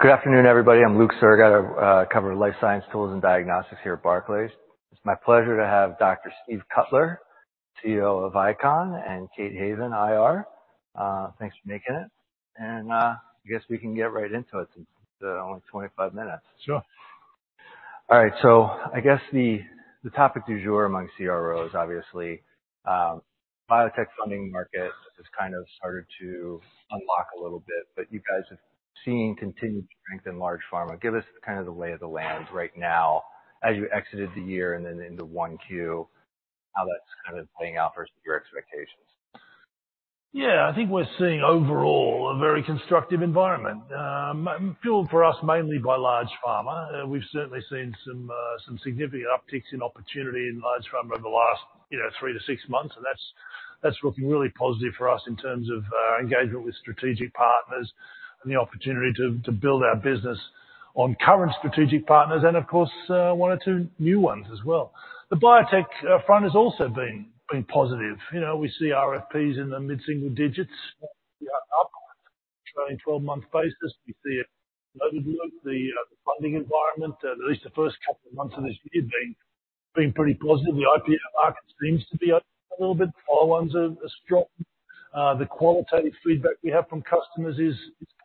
Good afternoon, everybody. I'm Luke Sergott, I cover life science tools and diagnostics here at Barclays. It's my pleasure to have Dr. Steve Cutler, CEO of ICON, and Kate Haven, IR. Thanks for making it. I guess we can get right into it since there are only 25 minutes. Sure. All right, so I guess the topic du jour among CRO is obviously, biotech funding market has kind of started to unlock a little bit, but you guys have seen continued strength in large pharma. Give us kind of the lay of the land right now as you exited the year and then into 1Q, how that's kind of playing out versus your expectations. Yeah, I think we're seeing overall a very constructive environment fueled for us mainly by large pharma. We've certainly seen some significant upticks in opportunity in large pharma over the last, you know, 3-6 months, and that's looking really positive for us in terms of engagement with strategic partners and the opportunity to build our business on current strategic partners, and of course one or two new ones as well. The biotech front has also been positive. You know, we see RFPs in the mid-single digits upward trailing 12-month basis. We see the workload, the funding environment, at least the first couple of months of this year being pretty positive. The IPO market seems to be up a little bit. Filings are strong. The qualitative feedback we have from customers is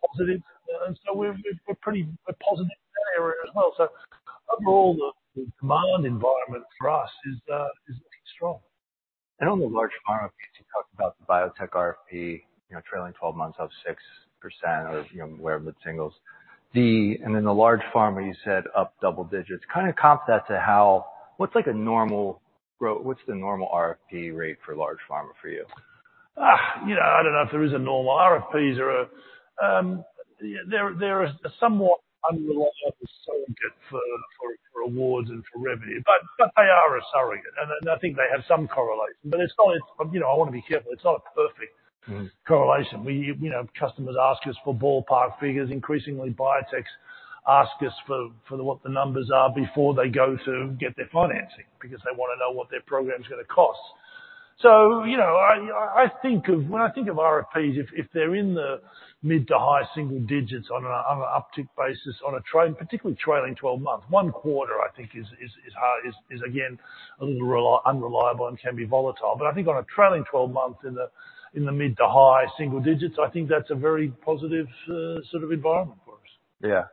positive. And so we're pretty positive in that area as well. So overall, the demand environment for us is looking strong. On the large pharma, you talked about the biotech RFP, you know, trailing 12 months up 6% or, you know, we're in the singles. Then the large pharma, you said up double digits. Kind of compare that to how—what's like a normal RFP rate for large pharma for you? Ah! You know, I don't know if there is a normal. RFPs are, yeah, they're a somewhat unreliable surrogate for awards and for revenue, but they are a surrogate, and I think they have some correlation. But it's not... You know, I want to be careful. It's not a perfect- Mm. - correlation. We, you know, customers ask us for ballpark figures. Increasingly, biotechs ask us for the, what the numbers are before they go to get their financing, because they want to know what their program's gonna cost. So, you know, I think of—when I think of RFPs, if they're in the mid to high single digits on an uptick basis, on a particularly trailing twelve months, one quarter, I think is hard, is again, a little unreliable and can be volatile. But I think on a trailing 12 months in the mid to high single digits, I think that's a very positive sort of environment for us. Yeah.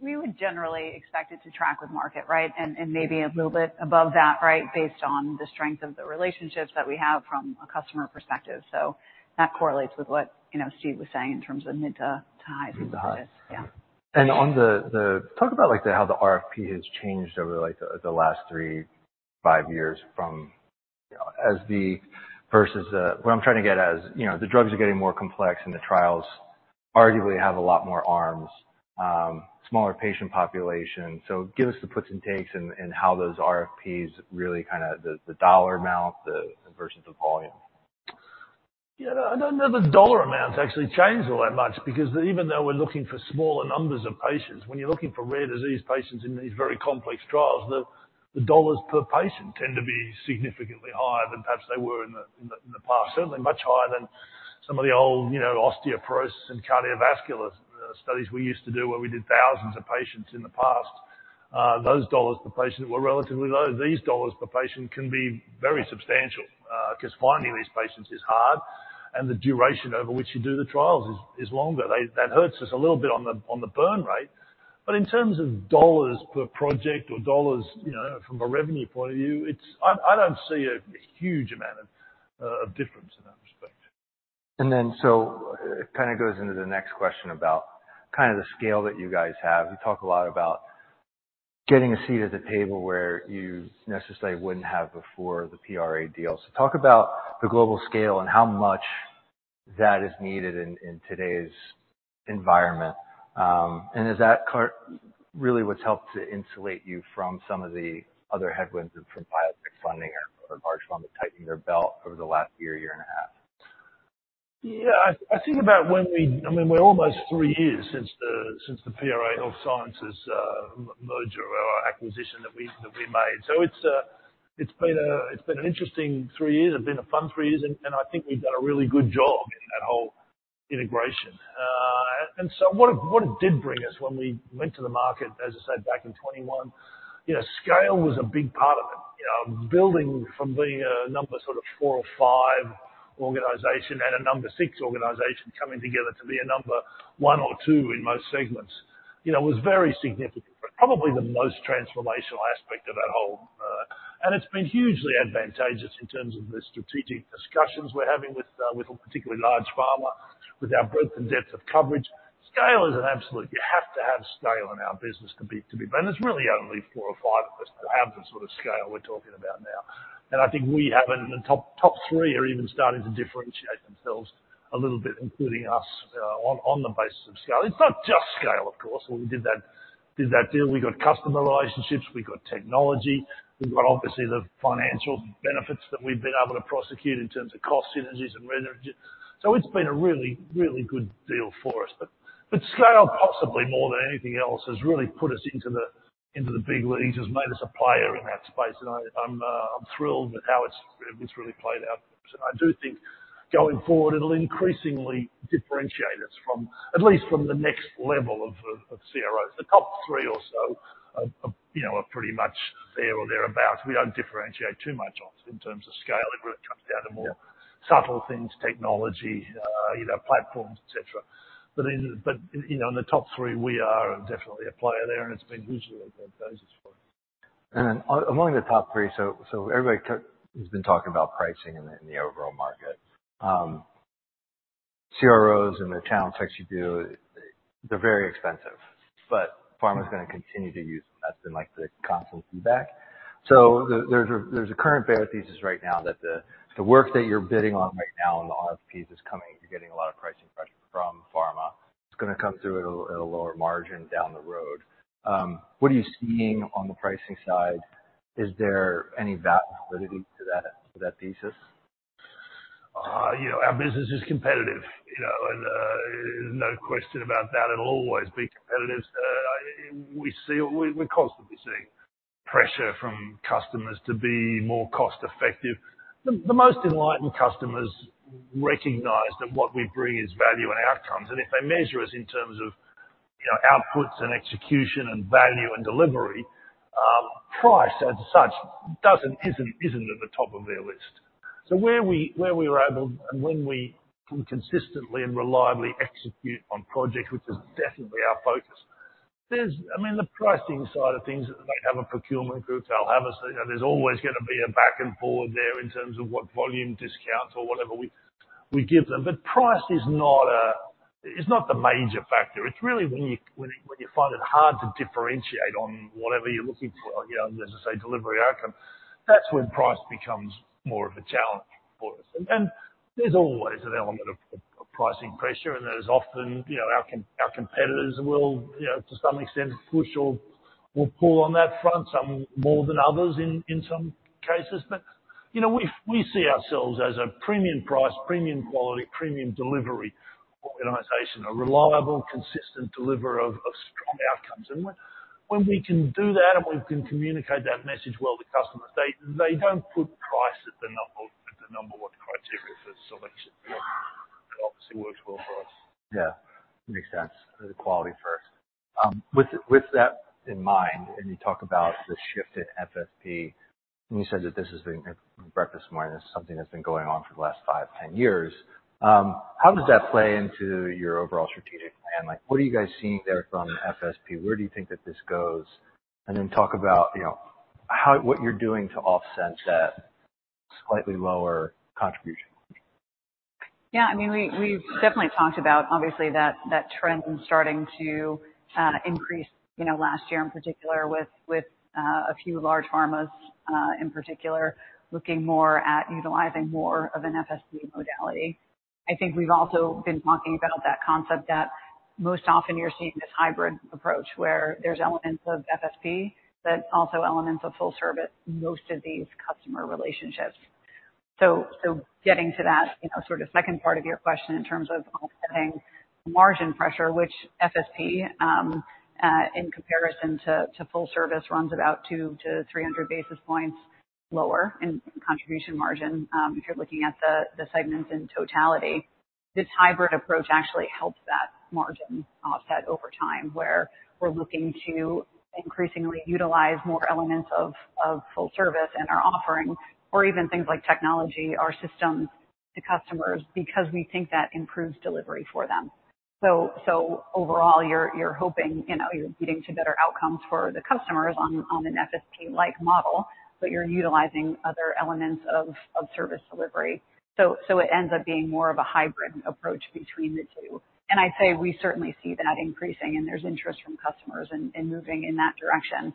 We would generally expect it to track with market, right? And maybe a little bit above that, right, based on the strength of the relationships that we have from a customer perspective. So that correlates with what, you know, Steve was saying in terms of mid to high single digits. Mid to high. Yeah. Talk about, like, the, how the RFP has changed over, like, the last 3-5 years from, you know, as the, versus the... What I'm trying to get at is, you know, the drugs are getting more complex, and the trials arguably have a lot more arms, smaller patient population. So give us the puts and takes and how those RFPs really kind of the dollar amount versus the volume. Yeah, I don't know the dollar amounts actually change all that much, because even though we're looking for smaller numbers of patients, when you're looking for rare disease patients in these very complex trials, the dollars per patient tend to be significantly higher than perhaps they were in the past. Certainly, much higher than some of the old, you know, osteoporosis and cardiovascular studies we used to do, where we did thousands of patients in the past. Those dollars per patient were relatively low. These dollars per patient can be very substantial, because finding these patients is hard, and the duration over which you do the trials is longer. That hurts us a little bit on the burn rate, but in terms of dollars per project or dollars, you know, from a revenue point of view, it's... I don't see a huge amount of difference in that respect. And then, so it kind of goes into the next question about kind of the scale that you guys have. You talk a lot about getting a seat at the table where you necessarily wouldn't have before the PRA deal. So talk about the global scale and how much that is needed in, in today's environment, and is that really what's helped to insulate you from some of the other headwinds from biotech funding or, or large pharma tightening their belt over the last year, year and a half? Yeah, I think about when we—I mean, we're almost three years since the PRA Health Sciences merger or acquisition that we made. So it's been an interesting three years. It's been a fun three years, and I think we've done a really good job in that whole integration. And so what it did bring us when we went to the market, as I said, back in 2021, you know, scale was a big part of it. You know, building from being a number four or five organization and a number six organization coming together to be a number one or two in most segments, you know, was very significant, but probably the most transformational aspect of that whole... It's been hugely advantageous in terms of the strategic discussions we're having with particularly large pharma, with our breadth and depth of coverage. Scale is an absolute. You have to have scale in our business to be... And there's really only four or five of us that have the sort of scale we're talking about now. And I think we have, and the top three are even starting to differentiate themselves a little bit, including us, on the basis of scale. It's not just scale, of course, when we did that deal. We got customer relationships, we got technology, we've got obviously the financial benefits that we've been able to prosecute in terms of cost synergies and revenue. So it's been a really, really good deal for us. But, but scale, possibly more than anything else, has really put us into the, into the big leagues, has made us a player in that space, and I, I'm, I'm thrilled with how it's, it's really played out. So I do think going forward, it'll increasingly differentiate us from, at least from the next level of, of CROs. The top three or so are, are, you know, are pretty much there or thereabout. We don't differentiate too much on in terms of scale. It really comes down to more Yeah. subtle things, technology, you know, platforms, et cetera. But in, you know, in the top three, we are definitely a player there, and it's been hugely good business for us. And among the top three, so everybody has been talking about pricing in the overall market. CROs and the talents like you do, they're very expensive, but pharma's gonna continue to use them. That's been like the constant feedback. So there's a current bear thesis right now that the work that you're bidding on right now and the RFPs, you're getting a lot of pricing pressure from pharma. It's gonna come through at a lower margin down the road. What are you seeing on the pricing side? Is there any validity to that thesis? You know, our business is competitive, you know, and no question about that. It'll always be competitive. We see... We're constantly seeing pressure from customers to be more cost effective. The most enlightened customers recognize that what we bring is value and outcomes, and if they measure us in terms of, you know, outputs and execution and value and delivery, price as such, doesn't, isn't, isn't at the top of their list. So where we were able and when we can consistently and reliably execute on projects, which is definitely our focus, there's... I mean, the pricing side of things, they have a procurement group. You know, there's always gonna be a back and forward there in terms of what volume discounts or whatever we give them. But price is not the major factor. It's really when you find it hard to differentiate on whatever you're looking for, you know, as I say, delivery outcome, that's when price becomes more of a challenge for us. And there's always an element of pricing pressure, and there's often, you know, our competitors will, you know, to some extent, push or pull on that front, some more than others in some cases. But, you know, we see ourselves as a premium price, premium quality, premium delivery organization. A reliable, consistent deliverer of strong outcomes. And when we can do that, and we can communicate that message well to customers, they don't put price at the number one criteria for selection. It obviously works well for us. Yeah, makes sense. The quality first. With that in mind, and you talk about the shift in FSP, and you said that this has been, at breakfast this morning, this is something that's been going on for the last 5, 10 years. How does that play into your overall strategic plan? Like, what are you guys seeing there from FSP? Where do you think that this goes? And then talk about, you know, how... what you're doing to offset that slightly lower contribution? Yeah, I mean, we've definitely talked about, obviously, that trend starting to increase, you know, last year in particular, with a few large pharmas in particular, looking more at utilizing more of an FSP modality. I think we've also been talking about that concept that most often you're seeing this hybrid approach, where there's elements of FSP, but also elements of full service, most of these customer relationships. So getting to that, you know, sort of second part of your question in terms of offsetting margin pressure, which FSP in comparison to full service runs about 200-300 basis points lower in contribution margin. If you're looking at the segments in totality, this hybrid approach actually helps that margin offset over time, where we're looking to increasingly utilize more elements of full service in our offerings, or even things like technology, our systems to customers, because we think that improves delivery for them. So overall, you're hoping, you know, you're leading to better outcomes for the customers on an FSP-like model, but you're utilizing other elements of service delivery. So it ends up being more of a hybrid approach between the two. And I'd say we certainly see that increasing, and there's interest from customers in moving in that direction.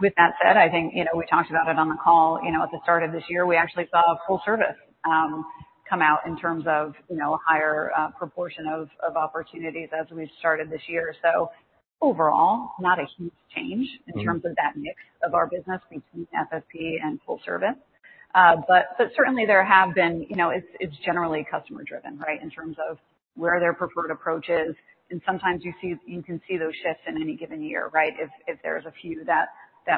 With that said, I think, you know, we talked about it on the call, you know, at the start of this year, we actually saw full service come out in terms of, you know, higher proportion of opportunities as we started this year. So overall, not a huge change- Mm-hmm. In terms of that mix of our business between FSP and full service. But certainly, there have been, you know, it's generally customer driven, right? In terms of where their preferred approach is. And sometimes you can see those shifts in any given year, right? If there's a few that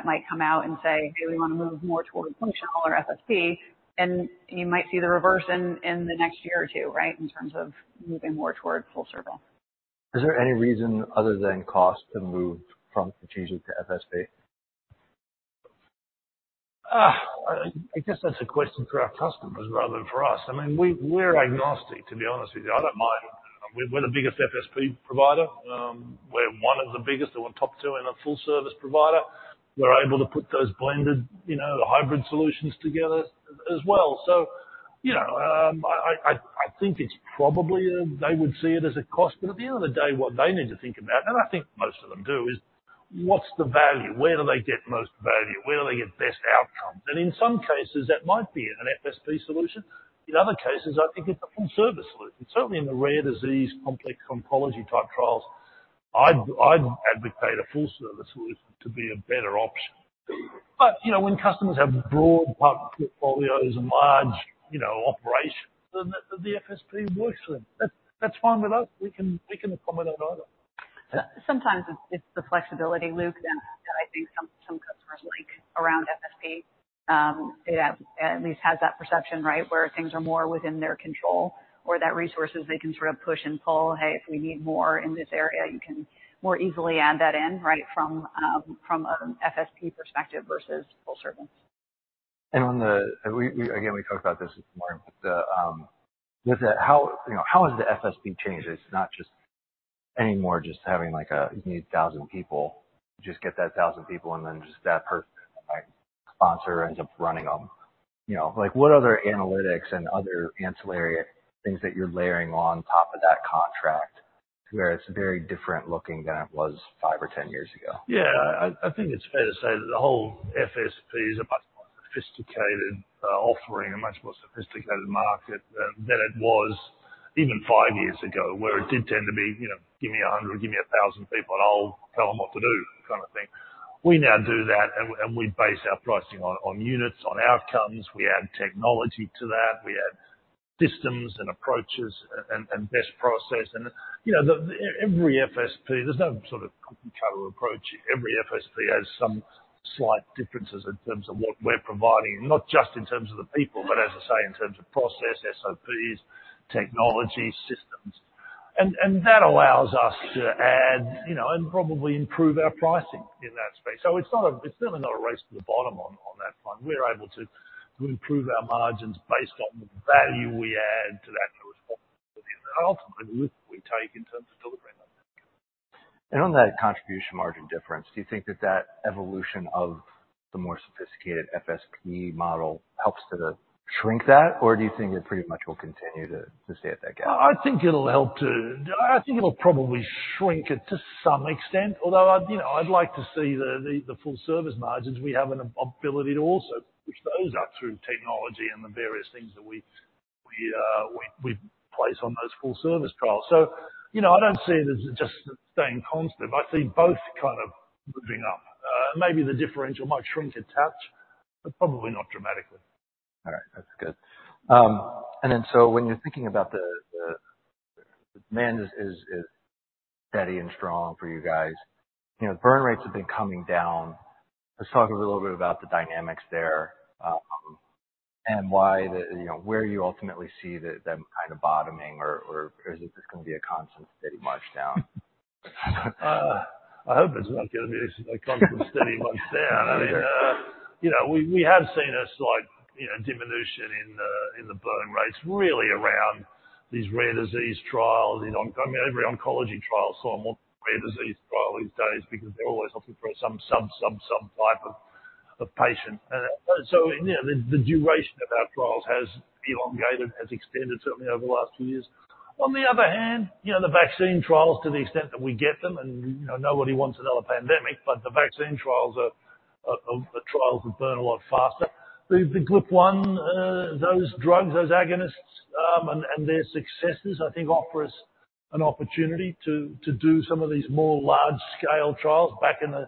might come out and say, "Hey, we wanna move more towards functional or FSP," and you might see the reverse in the next year or two, right? In terms of moving more towards full service. Is there any reason other than cost to move from strategic to FSP? I guess that's a question for our customers rather than for us. I mean, we're agnostic, to be honest with you. I don't mind. We're the biggest FSP provider. We're one of the biggest or we're top two in a full service provider. We're able to put those blended, you know, hybrid solutions together as well. So, you know, I think it's probably they would see it as a cost, but at the end of the day, what they need to think about, and I think most of them do, is what's the value? Where do they get the most value? Where do they get best outcomes? And in some cases, that might be an FSP solution. In other cases, I think it's a full service solution. Certainly in the rare disease, complex oncology type trials, I'd advocate a full service solution to be a better option. But, you know, when customers have broad portfolio and large, you know, operations, then the FSP works for them. That's fine with us. We can accommodate either. Sometimes it's, it's the flexibility, Luke, and I think some around FSP, it at least has that perception, right? Where things are more within their control, or that resources they can sort of push and pull. "Hey, if we need more in this area, you can more easily add that in," right? From a FSP perspective versus full service. And we, again, we talked about this morning, but, you know, how has the FSP changed? It's not just anymore, just having like, you need 1,000 people, just get that 1,000 people and then just that particular, like, sponsor ends up running them. You know, like, what other analytics and other ancillary things that you're layering on top of that contract, where it's very different looking than it was 5 or 10 years ago? Yeah. I think it's fair to say that the whole FSP is a much more sophisticated offering, a much more sophisticated market than it was even five years ago, where it did tend to be, you know, "Give me a hundred, give me a thousand people, and I'll tell them what to do," kind of thing. We now do that, and we base our pricing on units, on outcomes. We add technology to that. We add systems and approaches and best process, and, you know, every FSP, there's no sort of cookie cutter approach. Every FSP has some slight differences in terms of what we're providing, not just in terms of the people, but as I say, in terms of process, SOPs, technology, systems. And that allows us to add, you know, and probably improve our pricing in that space. So it's not, it's certainly not a race to the bottom on that front. We're able to improve our margins based on the value we add to that responsibility, and ultimately, the risk we take in terms of delivering on that. On that contribution margin difference, do you think that that evolution of the more sophisticated FSP model helps to shrink that? Or do you think it pretty much will continue to, to stay at that gap? I think it'll help to... I think it'll probably shrink it to some extent, although I'd, you know, I'd like to see the full service margins. We have an ability to also push those up through technology and the various things that we place on those full service trials. So, you know, I don't see it as just staying constant, but I see both kind of moving up. Maybe the differential might shrink a touch, but probably not dramatically. All right. That's good. And then, so when you're thinking about the demand is steady and strong for you guys. You know, burn rates have been coming down. Let's talk a little bit about the dynamics there, and why, you know, where you ultimately see them kind of bottoming or is it just gonna be a constant, steady march down? I hope it's not gonna be a constant, steady march down. Yeah. I mean, you know, we have seen a slight diminution in the burn rates, really around these rare disease trials. I mean, every oncology trial is sort of a more rare disease trial these days, because they're always looking for some subtype of patient. And so, you know, the duration of our trials has elongated, has extended, certainly over the last few years. On the other hand, you know, the vaccine trials, to the extent that we get them, and, you know, nobody wants another pandemic, but the vaccine trials are trials that burn a lot faster. The GLP-1, those drugs, those agonists, and their successes, I think offer us an opportunity to do some of these more large-scale trials. Back in the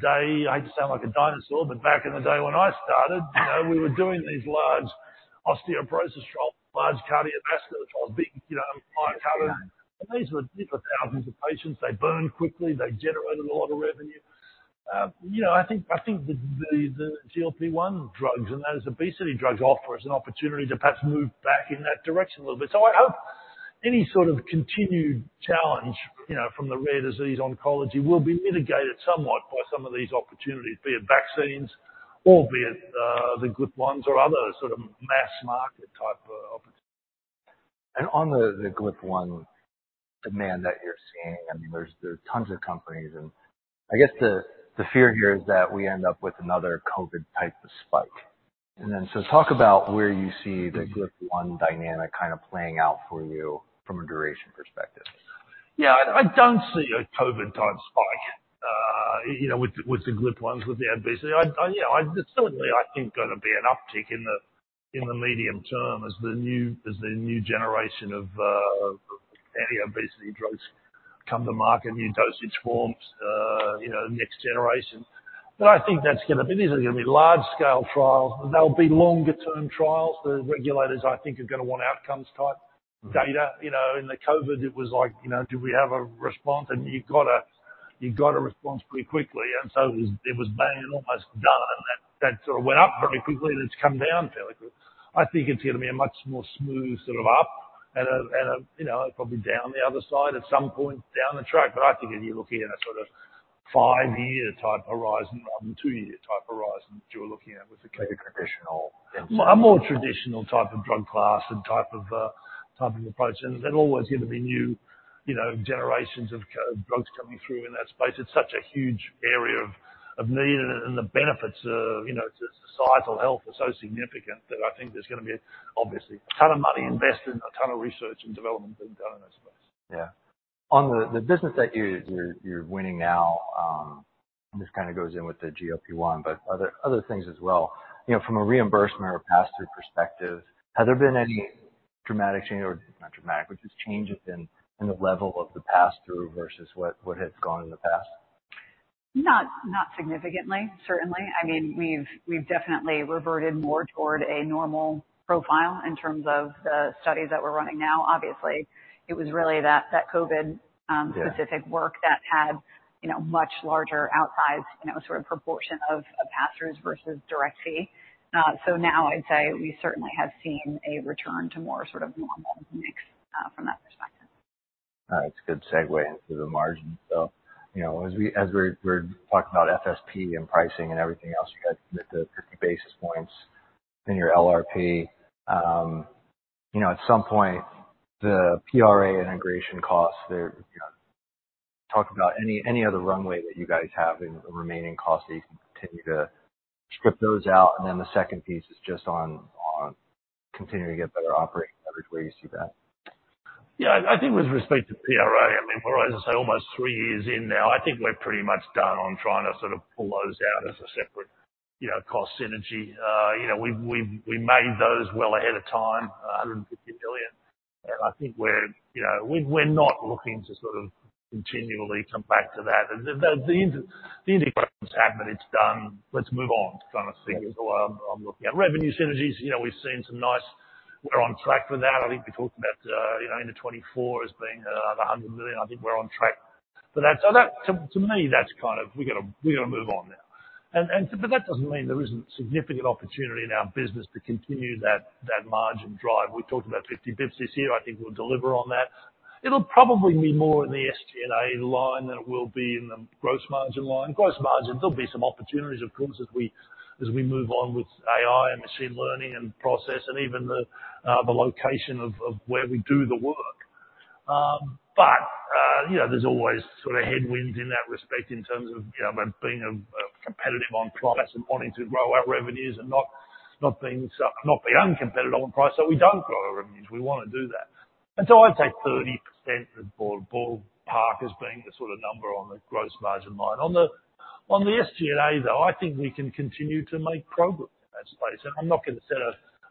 day, I hate to sound like a dinosaur, but back in the day when I started, you know, we were doing these large osteoporosis trials, large cardiovascular trials, big, you know, high- Yeah. These were thousands of patients. They burned quickly, they generated a lot of revenue. You know, I think the GLP-1 drugs and those obesity drugs offer us an opportunity to perhaps move back in that direction a little bit. So I hope any sort of continued challenge, you know, from the rare disease oncology will be mitigated somewhat by some of these opportunities, be it vaccines or be it the GLP-1s or other sort of mass market type of opportunities. And on the GLP-1 demand that you're seeing, I mean, there's tons of companies and... I guess the fear here is that we end up with another COVID type of spike. And then, so talk about where you see the GLP-1 dynamic kind of playing out for you from a duration perspective. Yeah, I don't see a COVID-type spike, you know, with the GLP-1s, with the obesity. I, you know, I... There's certainly, I think, gonna be an uptick in the medium term as the new generation of anti-obesity drugs come to market, new dosage forms, you know, next generation. But I think that's gonna be, these are gonna be large scale trials. They'll be longer term trials. The regulators, I think, are gonna want outcomes type data. You know, in the COVID, it was like, you know, do we have a response? And you got a response pretty quickly, and so it was bang and almost done. That sort of went up very quickly, and it's come down fairly quickly. I think it's gonna be a much more smooth sort of up, you know, probably down the other side at some point down the track. But I think if you're looking at a sort of five-year type horizon rather than two-year type horizon, you're looking at with the- Like a traditional-... A more traditional type of drug class and type of approach. And there's always going to be new, you know, generations of GLP-1 drugs coming through in that space. It's such a huge area of need, and the benefits of, you know, to societal health are so significant that I think there's gonna be obviously a ton of money invested, a ton of research and development being done in that space. Yeah. On the business that you're winning now, this kind of goes in with the GLP-1, but other things as well. You know, from a reimbursement or pass-through perspective, have there been any dramatic change, or not dramatic, but just changes in the level of the pass-through versus what has gone in the past?... Not significantly, certainly. I mean, we've definitely reverted more toward a normal profile in terms of the studies that we're running now. Obviously, it was really that COVID specific work that had, you know, much larger outsized, you know, sort of proportion of pass-throughs versus direct fee. So now I'd say we certainly have seen a return to more sort of normal mix from that perspective. It's a good segue into the margin. So, you know, as we're talking about FSP and pricing and everything else, you got the 50 basis points in your LRP. You know, at some point, the PRA integration costs there, you know, talk about any other runway that you guys have in the remaining costs, so you can continue to strip those out. And then the second piece is just on continuing to get better operating leverage, where you see that? Yeah, I, I think with respect to PRA, I mean, we're, as I say, almost three years in now, I think we're pretty much done on trying to sort of pull those out as a separate, you know, cost synergy. You know, we've made those well ahead of time, $150 million. And I think we're, you know, we're not looking to sort of continually come back to that. And the integration's happened, it's done. Let's move on, kind of thing, is the way I'm looking at. Revenue synergies, you know, we've seen some nice... We're on track for that. I think we talked about, you know, end of 2024 as being a $100 million. I think we're on track for that. So that, to me, that's kind of, we've got to move on now. But that doesn't mean there isn't significant opportunity in our business to continue that margin drive. We talked about 50 [basis points] this year. I think we'll deliver on that. It'll probably be more in the SG&A line than it will be in the gross margin line. Gross margin, there'll be some opportunities, of course, as we move on with AI and machine learning and process and even the location of where we do the work. But you know, there's always sort of headwinds in that respect in terms of you know, being competitive on price and wanting to grow our revenues and not being so uncompetitive on price, so we don't grow our revenues. We want to do that. And so I'd say 30% for ballpark as being the sort of number on the gross margin line. On the SG&A, though, I think we can continue to make progress in that space. And I'm not going to set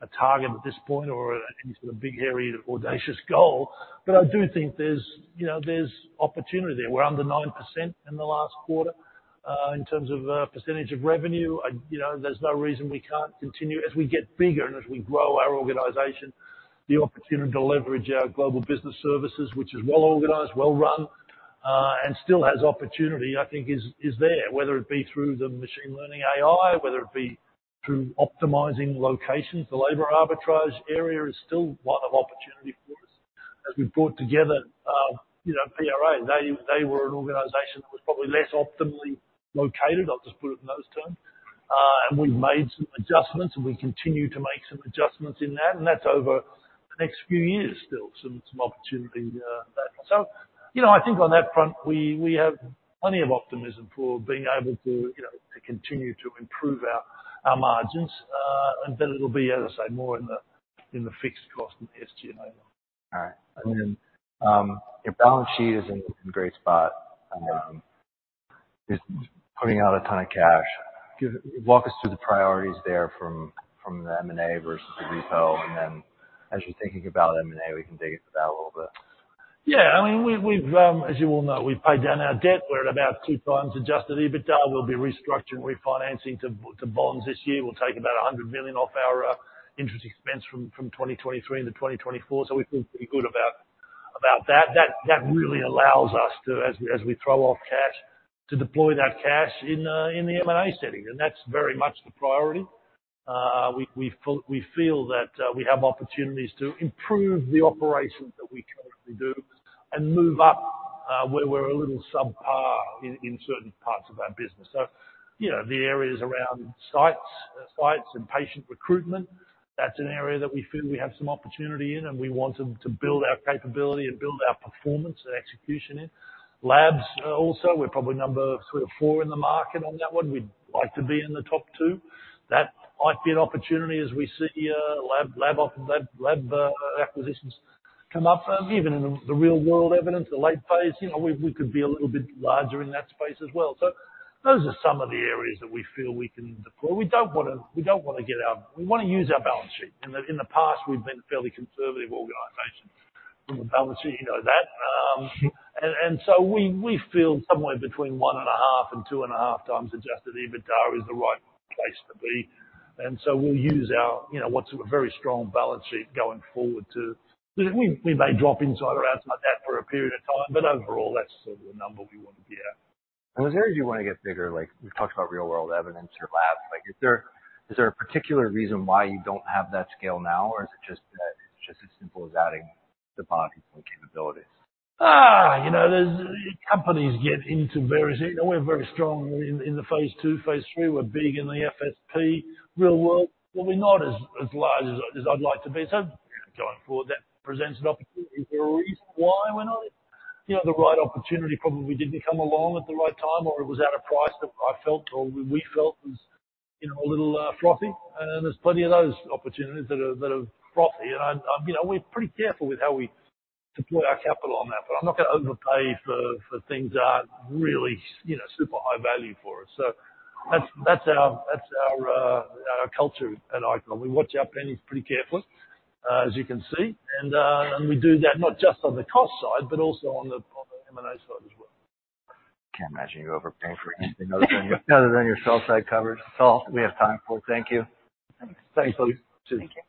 a target at this point or any sort of big, hairy, audacious goal, but I do think there's, you know, there's opportunity there. We're under 9% in the last quarter, in terms of percentage of revenue. I. You know, there's no reason we can't continue, as we get bigger and as we grow our organization, the opportunity to leverage our Global Business Services, which is well organized, well run, and still has opportunity, I think is there. Whether it be through the machine learning AI, whether it be through optimizing locations, the labor arbitrage area is still one of opportunity for us. As we've brought together, you know, PRA, they, they were an organization that was probably less optimally located, I'll just put it in those terms. And we've made some adjustments, and we continue to make some adjustments in that, and that's over the next few years, still some, some opportunity, in that. So, you know, I think on that front, we, we have plenty of optimism for being able to, you know, to continue to improve our, our margins. And then it'll be, as I say, more in the, in the fixed cost than the SG&A. All right. And then, your balance sheet is in great spot. Just putting out a ton of cash. Walk us through the priorities there from the M&A versus the repo, and then as you're thinking about M&A, we can dig into that a little bit. Yeah. I mean, we've as you well know, we've paid down our debt. We're at about 2x Adjusted EBITDA. We'll be restructuring, refinancing to bonds this year. We'll take about $100 million off our interest expense from 2023 into 2024. So we feel pretty good about that. That really allows us to, as we throw off cash, to deploy that cash in the M&A setting, and that's very much the priority. We feel that we have opportunities to improve the operations that we currently do and move up where we're a little subpar in certain parts of our business. So, you know, the areas around sites, sites and patient recruitment, that's an area that we feel we have some opportunity in, and we want to build our capability and build our performance and execution in. Labs, also, we're probably number sort of four in the market on that one. We'd like to be in the top two. That might be an opportunity as we see lab acquisitions come up. Even in the real world evidence, the late phase, you know, we could be a little bit larger in that space as well. So those are some of the areas that we feel we can deploy. We don't wanna get out-- We wanna use our balance sheet. In the past, we've been a fairly conservative organization from a balance sheet, you know that. And so we feel somewhere between 1.5x and 2.5x Adjusted EBITDA is the right place to be. And so we'll use our, you know, what's a very strong balance sheet going forward to... We may drop inside or out like that for a period of time, but overall, that's sort of the number we want to be at. As areas you want to get bigger, like, we've talked about real world evidence or labs, like, is there, is there a particular reason why you don't have that scale now? Or is it just, it's just as simple as adding the bodies and capabilities? Ah! You know, we're very strong in the phase 2, phase 3. We're big in the FSP. Real-world, well, we're not as large as I'd like to be. So going forward, that presents an opportunity. Is there a reason why we're not? You know, the right opportunity probably didn't come along at the right time, or it was at a price that I felt or we felt was, you know, a little frothy. And there's plenty of those opportunities that are frothy. And I'm, you know, we're pretty careful with how we deploy our capital on that, but I'm not going to overpay for things that aren't really, you know, super high value for us. So that's our culture at ICON. We watch our pennies pretty carefully, as you can see. And we do that not just on the cost side, but also on the M&A side as well. I can't imagine you overpaying for anything other than, other than your sell side coverage. That's all we have time for. Thank you. Thanks. Thanks, folks. Thank you.